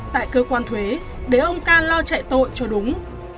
tại cơ quan thuế để ông ca lo chạy tội cho đúng